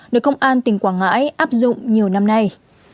được công an tỉnh quảng ngãi áp dụng nhiều năm nay